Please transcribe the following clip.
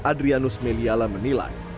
adrianus meliala menilai